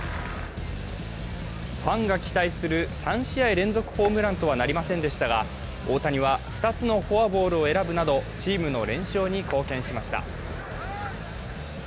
ファンが期待する３試合連続ホームランとはなりませんでしたが、大谷は２つのフォアボールを選ぶなどチームの連勝に貢献しました。